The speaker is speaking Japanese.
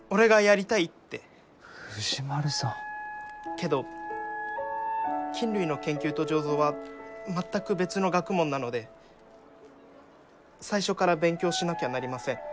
けど菌類の研究と醸造は全く別の学問なので最初から勉強しなきゃなりません。